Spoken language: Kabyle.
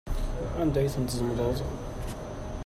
Anda ay ten-tzemḍeḍ?